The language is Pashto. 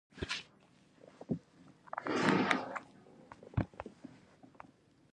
ټاکنې یو لوی جشن وي.